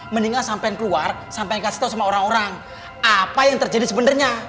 mendingan sampai keluar sampai kasih tahu sama orang orang apa yang terjadi sebenarnya